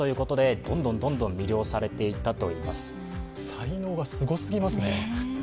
才能がすごすぎますね。